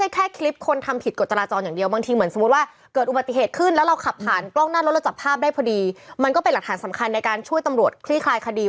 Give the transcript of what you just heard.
แล้วเงินจะเข้าหลวงเท่าไหร่ไงมันต้องเยอะกว่าหรือเปล่าไหม